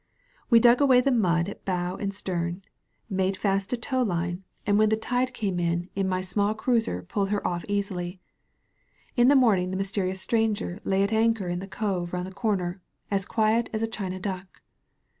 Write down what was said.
We dug away the mud at bow and stem, made fast a tow line, and when the tide 252 SALVAGE POINT came In my small cruiser pulled her off easily. In the morning the mysterious stranger lay at anchor in the cove round the comer, as quiet as a China duck.